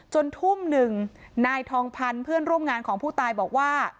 ทุ่มหนึ่งนายทองพันธ์เพื่อนร่วมงานของผู้ตายบอกว่า